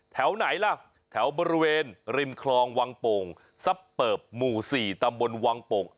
แถวไหนล่ะแถวบริเวณริมคลองวังโป่งซับเปิบหมู่๔ตำบลวังโป่ง